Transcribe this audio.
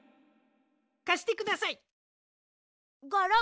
かしてください！